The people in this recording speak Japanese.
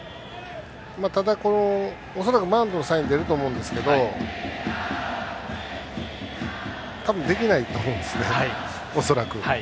ただ、恐らくバントのサイン出ると思うんですけどたぶんできないと思うんですね恐らく。